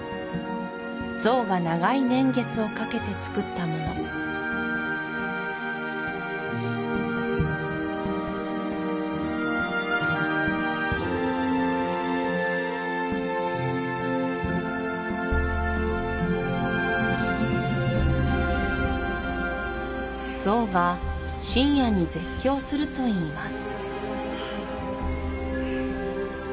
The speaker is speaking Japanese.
ゾウが長い年月をかけてつくったものゾウが深夜に絶叫するといいます